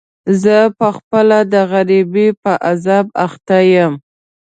زه په خپله د غريبۍ په عذاب اخته يم.